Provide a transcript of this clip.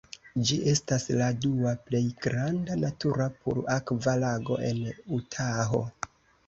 Ĝi estas la dua plej granda natura pur-akva lago en Utaho.